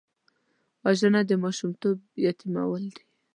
وژنه د ماشومتوب یتیمول دي